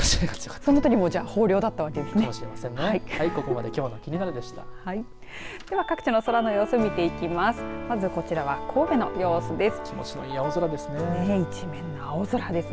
そのときもじゃあ豊漁だったわけですね。